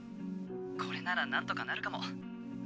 「これならなんとかなるかも」